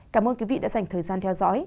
cảm ơn quý vị đã dành thời gian theo dõi